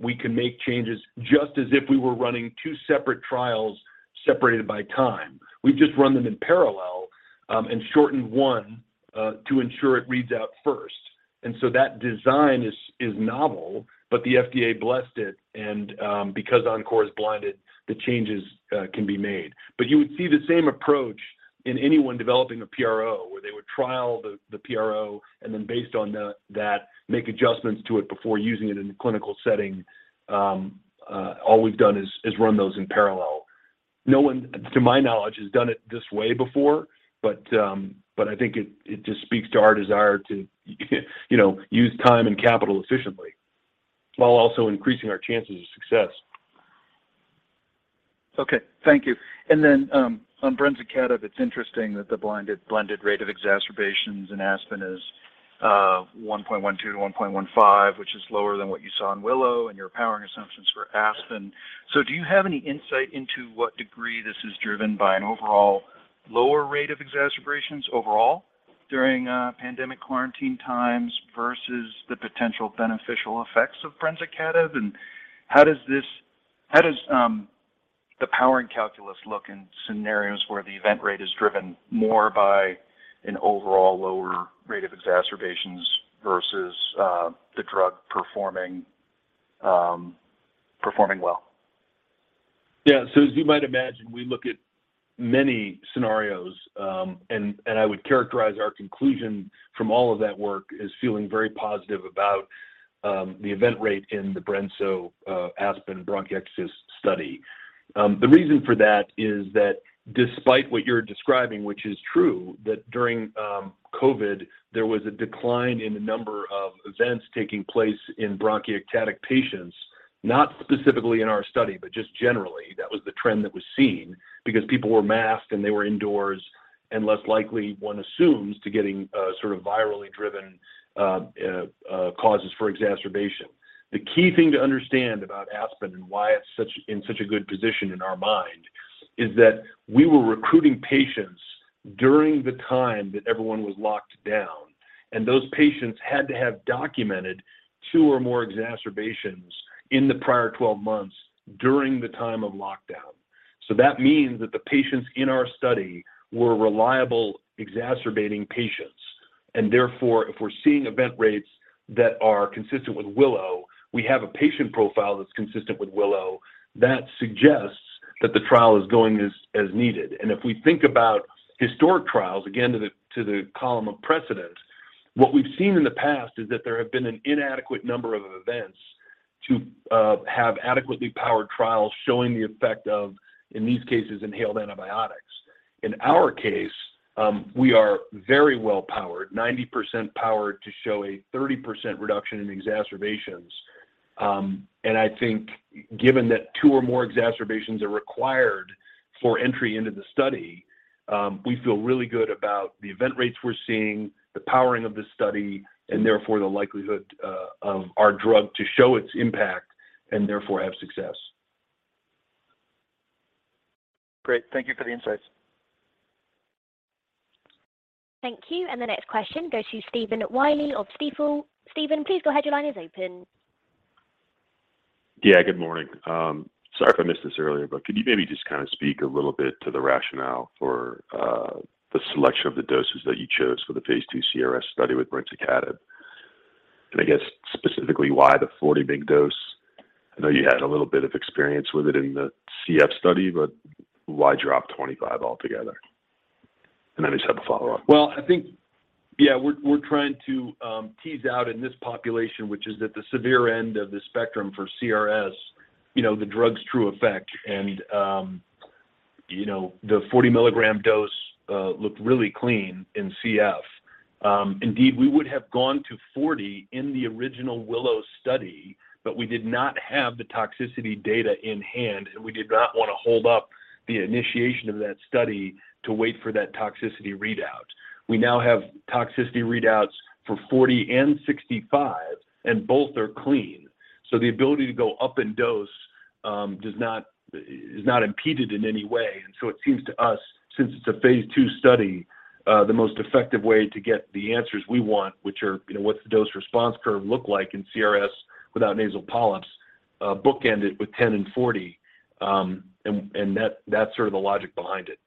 we can make changes just as if we were running two separate trials separated by time. We just run them in parallel, and shorten one to ensure it reads out first. That design is novel, but the FDA blessed it, and because ENCORE is blinded, the changes can be made. You would see the same approach in anyone developing a PRO, where they would trial the PRO, and then based on that, make adjustments to it before using it in a clinical setting. All we've done is run those in parallel. No one, to my knowledge, has done it this way before, I think it just speaks to our desire to, you know, use time and capital efficiently while also increasing our chances of success. Okay. Thank you. On brensocatib, it's interesting that the blinded blended rate of exacerbations in ASPEN is 1.12-1.15, which is lower than what you saw in WILLOW and your powering assumptions for ASPEN. Do you have any insight into what degree this is driven by an overall lower rate of exacerbations overall during pandemic quarantine times versus the potential beneficial effects of brensocatib? How does the powering calculus look in scenarios where the event rate is driven more by an overall lower rate of exacerbations versus the drug performing well? As you might imagine, we look at many scenarios, and I would characterize our conclusion from all of that work as feeling very positive about the event rate in the brensocatib ASPEN bronchiectasis study. The reason for that is that despite what you're describing, which is true, that during COVID, there was a decline in the number of events taking place in bronchiectasis patients, not specifically in our study, but just generally, that was the trend that was seen because people were masked and they were indoors and less likely, one assumes, to getting sort of virally driven causes for exacerbation. The key thing to understand about ASPEN and why it's in such a good position in our mind is that we were recruiting patients during the time that everyone was locked down. Those patients had to have documented two or more exacerbations in the prior 12 months during the time of lockdown. That means that the patients in our study were reliable exacerbating patients. Therefore, if we're seeing event rates that are consistent with WILLOW, we have a patient profile that's consistent with WILLOW, that suggests that the trial is going as needed. If we think about historic trials, again, to the column of precedence, what we've seen in the past is that there have been an inadequate number of events to have adequately powered trials showing the effect of, in these cases, inhaled antibiotics. In our case, we are very well powered, 90% powered to show a 30% reduction in exacerbations. I think given that two or more exacerbations are required for entry into the study, we feel really good about the event rates we're seeing, the powering of the study, and therefore the likelihood of our drug to show its impact and therefore have success. Great. Thank you for the insights. Thank you. The next question goes to Stephen Willey of Stifel. Stephen, please go ahead. Your line is open. Good morning. Sorry if I missed this earlier, but could you maybe just kind of speak a little bit to the rationale for the selection of the doses that you chose for the phase II CRS study with brensocatib? I guess specifically why the 40 mg dose? I know you had a little bit of experience with it in the CF study, but why drop 25 altogether? I just have a follow-up. Well, Yeah, we're trying to tease out in this population, which is at the severe end of the spectrum for CRS, you know, the drug's true effect. You know, the 40-milligram dose looked really clean in CF. Indeed, we would have gone to 40 in the original WILLOW study, but we did not have the toxicity data in hand, and we did not wanna hold up the initiation of that study to wait for that toxicity readout. We now have toxicity readouts for 40 and 65, and both are clean, so the ability to go up in dose is not impeded in any way. It seems to us, since it's a phase II study, the most effective way to get the answers we want, which are, you know, what's the dose response curve look like in CRS without nasal polyps, bookend it with 10 and 40, and that's sort of the logic behind it.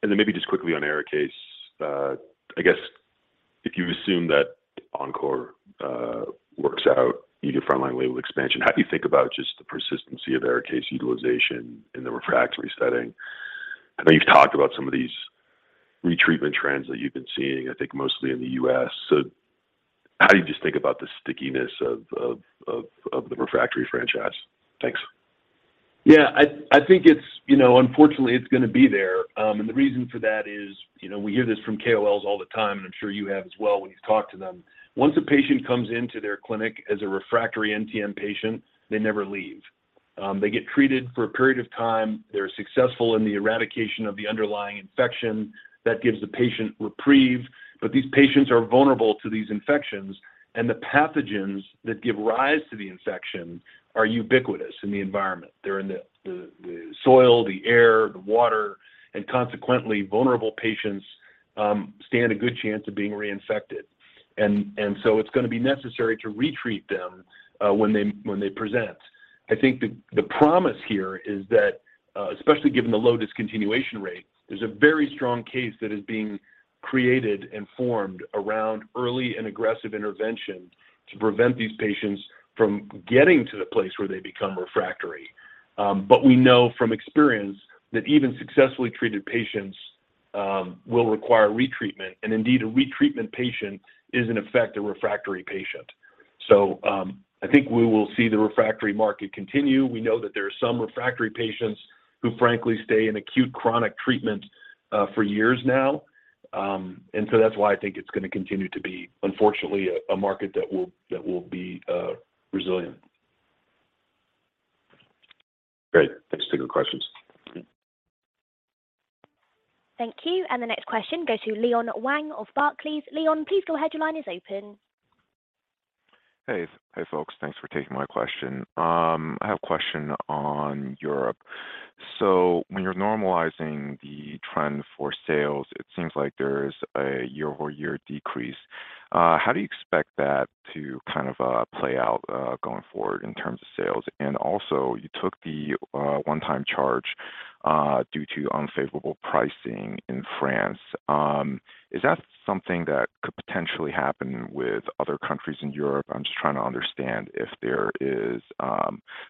And then maybe just quickly on ARIKAYCE. I guess if you assume that ENCORE works out, you get frontline label expansion, how do you think about just the persistency of ARIKAYCE utilization in the refractory setting? I know you've talked about some of these retreatment trends that you've been seeing, I think mostly in the U.S. How do you just think about the stickiness of the refractory franchise? Thanks. Yeah, I think it's, you know, unfortunately, it's gonna be there. The reason for that is, you know, we hear this from KOLs all the time, and I'm sure you have as well when you've talked to them. Once a patient comes into their clinic as a refractory NTM patient, they never leave. They get treated for a period of time. They're successful in the eradication of the underlying infection that gives the patient reprieve. These patients are vulnerable to these infections. The pathogens that give rise to the infection are ubiquitous in the environment. They're in the, the soil, the air, the water. Consequently, vulnerable patients stand a good chance of being reinfected. It's gonna be necessary to retreat them when they, when they present. I think the promise here is that, especially given the low discontinuation rate, there's a very strong case that is being created and formed around early and aggressive intervention to prevent these patients from getting to the place where they become refractory. We know from experience that even successfully treated patients will require retreatment, and indeed a retreatment patient is in effect a refractory patient. I think we will see the refractory market continue. We know that there are some refractory patients who frankly stay in acute chronic treatment for years now. That's why I think it's gonna continue to be, unfortunately, a market that will, that will be resilient. Great. Thanks for taking the questions. Thank you. The next question goes to Leon Wang of Barclays. Leon, please go ahead. Your line is open. Hey. Hey, folks. Thanks for taking my question. I have a question on Europe. When you're normalizing the trend for sales, it seems like there's a year-over-year decrease. How do you expect that to kind of play out going forward in terms of sales? Also, you took the one-time charge due to unfavorable pricing in France. Is that something that could potentially happen with other countries in Europe? I'm just trying to understand if there is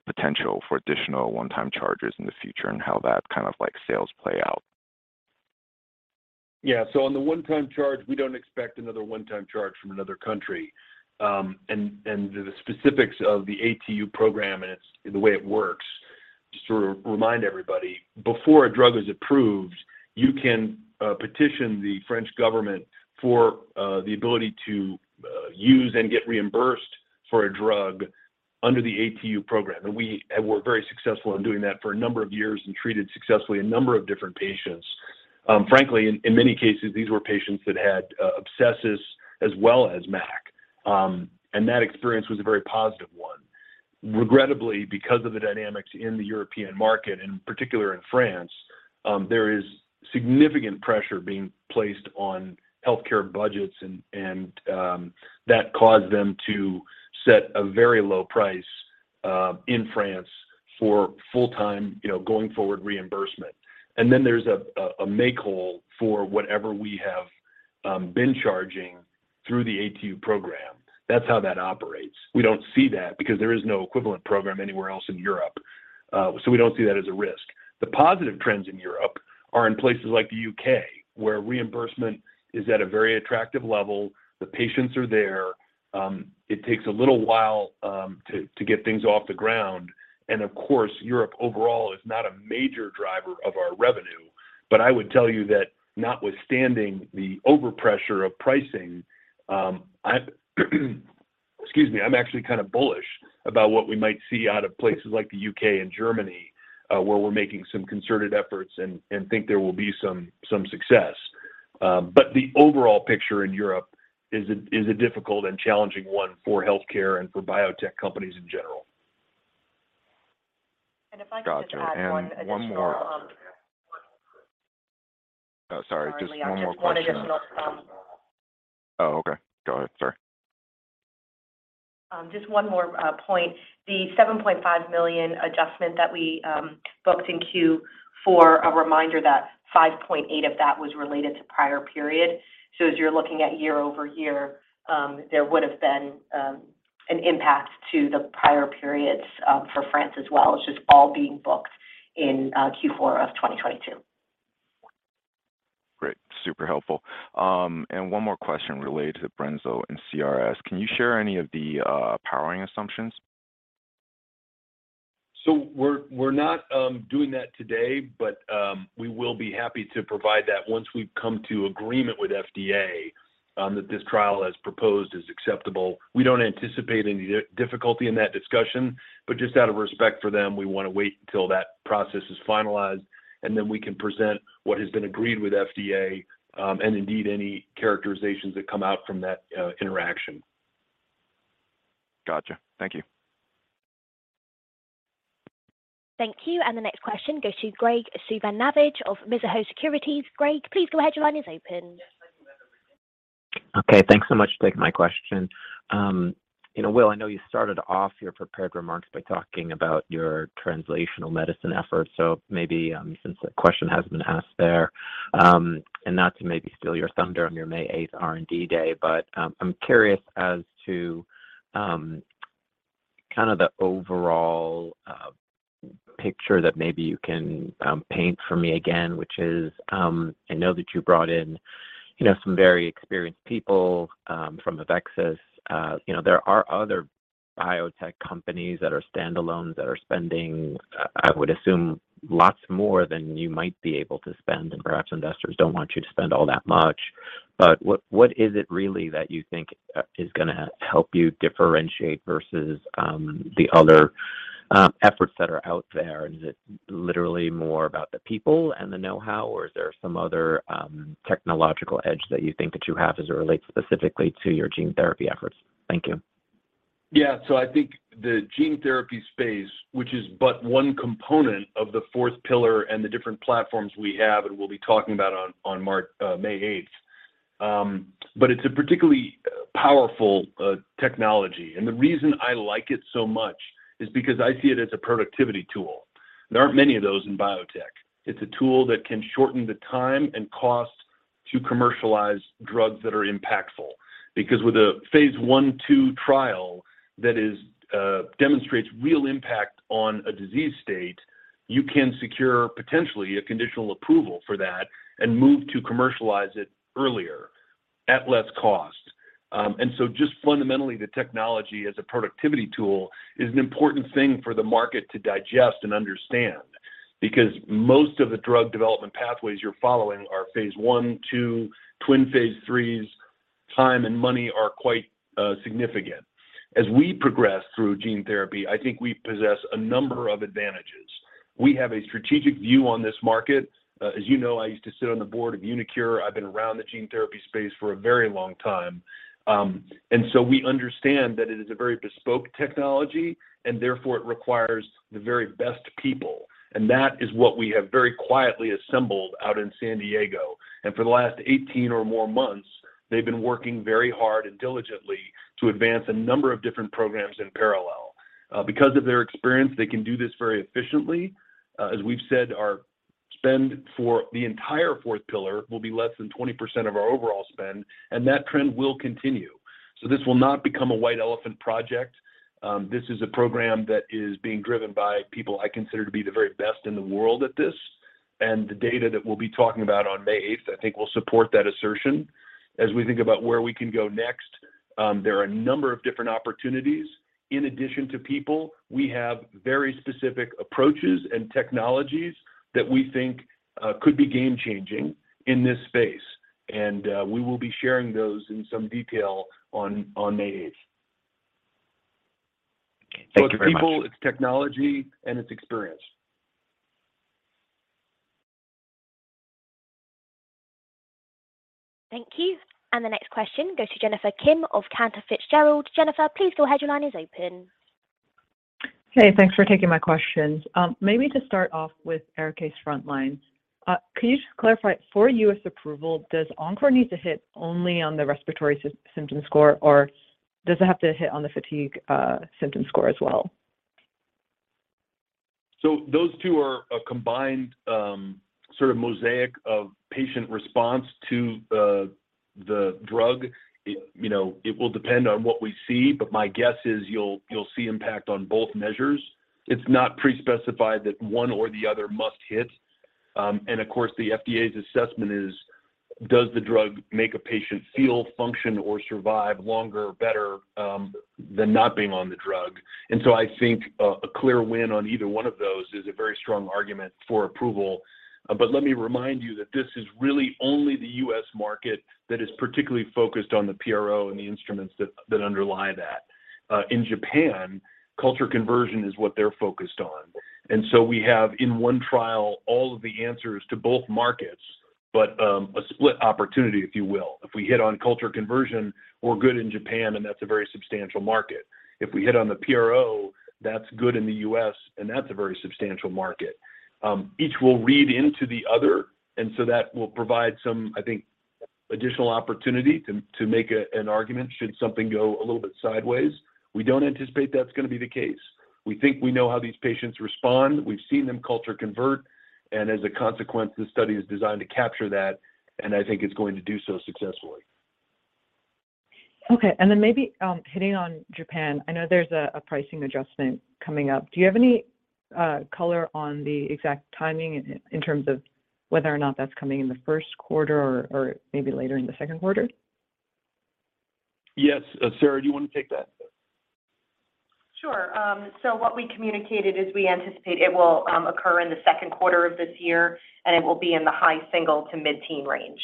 potential for additional one-time charges in the future and how that kind of, like, sales play out. Yeah. On the one-time charge, we don't expect another one-time charge from another country. And the specifics of the ATU program the way it works, just to remind everybody, before a drug is approved, you can petition the French government for the ability to use and get reimbursed for a drug under the ATU program. We have worked very successfully on doing that for a number of years and treated successfully a number of different patients. Frankly, in many cases, these were patients that had abscesses as well as MAC, and that experience was a very positive one. Regrettably, because of the dynamics in the European market, in particular in France, there is significant pressure being placed on healthcare budgets and that caused them to set a very low price in France for full-time, you know, going forward reimbursement. Then there's a make-whole for whatever we have been charging through the ATU program. That's how that operates. We don't see that because there is no equivalent program anywhere else in Europe, so we don't see that as a risk. The positive trends in Europe are in places like the U.K., where reimbursement is at a very attractive level. The patients are there. It takes a little while to get things off the ground. Of course, Europe overall is not a major driver of our revenue. I would tell you that notwithstanding the overpressure of pricing, I'm actually kind of bullish about what we might see out of places like the U.K. and Germany, where we're making some concerted efforts and think there will be some success. The overall picture in Europe is a difficult and challenging one for healthcare and for biotech companies in general. If I could just add one additional-. Gotcha. Oh, sorry. Just one more question. Sorry. I just wanted to note. Oh, okay. Go ahead. Sorry. Just one more point. The $7.5 million adjustment that we booked in Q, for a reminder that $5.8 million of that was related to prior period. As you're looking at year-over-year, there would have been. An impact to the prior periods, for France as well. It's just all being booked in, Q4 of 2022. Great. Super helpful. One more question related to brensocatib and CRS. Can you share any of the powering assumptions? We're not doing that today. We will be happy to provide that once we've come to agreement with FDA that this trial, as proposed, is acceptable. We don't anticipate any difficulty in that discussion. Just out of respect for them, we wanna wait until that process is finalized. We can present what has been agreed with FDA, and indeed any characterizations that come out from that interaction. Gotcha. Thank you. Thank you. The next question goes to Graig Suvannavejh of Mizuho Securities. Graig, please go ahead. Your line is open. Okay. Thanks so much for taking my question. You know, Will, I know you started off your prepared remarks by talking about your translational medicine efforts. Maybe, since that question has been asked there, and not to maybe steal your thunder on your May 8th R&D day, I'm curious as to kind of the overall picture that maybe you can paint for me again, which is, I know that you brought in, you know, some very experienced people from AveXis. You know, there are other biotech companies that are standalone that are spending, I would assume lots more than you might be able to spend, and perhaps investors don't want you to spend all that much. What is it really that you think is gonna help you differentiate versus the other efforts that are out there? Is it literally more about the people and the know-how, or is there some other technological edge that you think that you have as it relates specifically to your gene therapy efforts? Thank you. Yeah. I think the gene therapy space, which is but one component of the fourth pillar and the different platforms we have and we'll be talking about on May 8th. It's a particularly powerful technology. The reason I like it so much is because I see it as a productivity tool. There aren't many of those in biotech. It's a tool that can shorten the time and cost to commercialize drugs that are impactful. Because with a phase I, II trial that demonstrates real impact on a disease state, you can secure potentially a conditional approval for that and move to commercialize it earlier at less cost. Just fundamentally, the technology as a productivity tool is an important thing for the market to digest and understand because most of the drug development pathways you're following are phase I, II, twin phase IIIs. Time and money are quite significant. As we progress through gene therapy, I think we possess a number of advantages. We have a strategic view on this market. As you know, I used to sit on the board of uniQure. I've been around the gene therapy space for a very long time. We understand that it is a very bespoke technology, and therefore it requires the very best people, and that is what we have very quietly assembled out in San Diego. For the last 18 or more months, they've been working very hard and diligently to advance a number of different programs in parallel. Because of their experience, they can do this very efficiently. As we've said, our spend for the entire fourth pillar will be less than 20% of our overall spend, and that trend will continue. This will not become a white elephant project. This is a program that is being driven by people I consider to be the very best in the world at this. The data that we'll be talking about on May 8th, I think will support that assertion. As we think about where we can go next, there are a number of different opportunities. In addition to people, we have very specific approaches and technologies that we think could be game-changing in this space. We will be sharing those in some detail on May 8th. Thank you very much. It's people, it's technology, and it's experience. Thank you. The next question goes to Jennifer Kim of Cantor Fitzgerald. Jennifer, please go ahead. Your line is open. Hey, thanks for taking my questions. Maybe to start off with ARIKAYCE frontline, can you just clarify for U.S. approval, does ENCORE need to hit only on the respiratory symptom score, or does it have to hit on the fatigue symptom score as well? Those two are a combined sort of mosaic of patient response to the drug. It, you know, it will depend on what we see, but my guess is you'll see impact on both measures. It's not pre-specified that one or the other must hit. Of course, the FDA's assessment is, does the drug make a patient feel, function, or survive longer, better than not being on the drug? I think a clear win on either one of those is a very strong argument for approval. Let me remind you that this is really only the U.S. market that is particularly focused on the PRO and the instruments that underlie that. In Japan, culture conversion is what they're focused on. We have in one trial all of the answers to both markets, but a split opportunity, if you will. If we hit on culture conversion, we're good in Japan, and that's a very substantial market. If we hit on the PRO, that's good in the U.S., and that's a very substantial market. Each will read into the other, that will provide some, I think, additional opportunity to make a, an argument should something go a little bit sideways. We don't anticipate that's gonna be the case. We think we know how these patients respond. We've seen them culture convert, and as a consequence, the study is designed to capture that, and I think it's going to do so successfully. Okay. Then maybe, hitting on Japan, I know there's a pricing adjustment coming up. Do you have any color on the exact timing in terms of whether or not that's coming in the first quarter or maybe later in the second quarter? Yes. Sara, do you wanna take that? Sure. What we communicated is we anticipate it will occur in the second quarter of this year, and it will be in the high single to mid-teen range.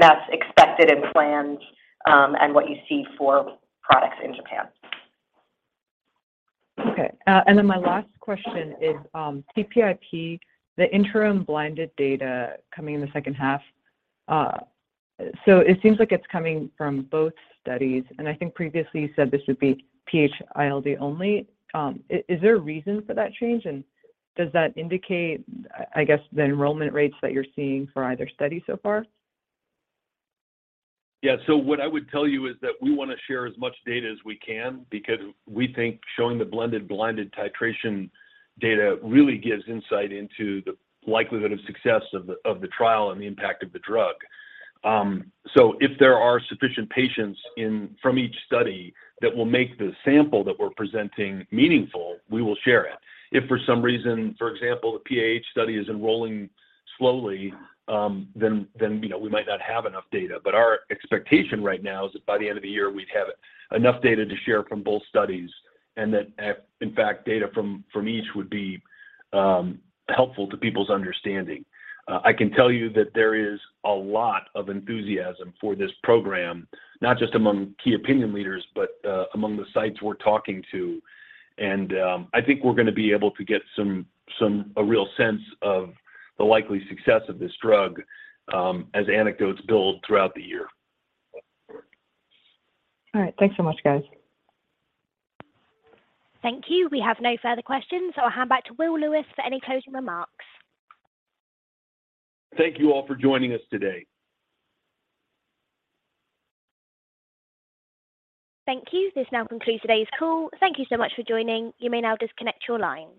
That's expected and planned, and what you see for products in Japan. Okay. My last question is, TPIP, the interim blinded data coming in the second half. It seems like it's coming from both studies, and I think previously you said this would be PH-ILD only. Is a reason for that change? Does that indicate, I guess, the enrollment rates that you're seeing for either study so far? What I would tell you is that we wanna share as much data as we can because we think showing the blended blinded titration data really gives insight into the likelihood of success of the, of the trial and the impact of the drug. If there are sufficient patients from each study that will make the sample that we're presenting meaningful, we will share it. If for some reason, for example, the PH study is enrolling slowly, you know, we might not have enough data. Our expectation right now is that by the end of the year, we'd have enough data to share from both studies and that, in fact, data from each would be helpful to people's understanding. I can tell you that there is a lot of enthusiasm for this program, not just among Key Opinion Leaders, but among the sites we're talking to. I think we're gonna be able to get some a real sense of the likely success of this drug, as anecdotes build throughout the year. All right. Thanks so much, guys. Thank you. We have no further questions. I'll hand back to Will Lewis for any closing remarks. Thank you all for joining us today. Thank you. This now concludes today's call. Thank you so much for joining. You may now disconnect your lines.